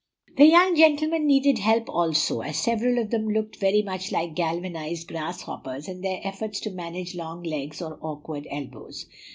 The young gentlemen needed help also, as several of them looked very much like galvanized grasshoppers in their efforts to manage long legs or awkward elbows.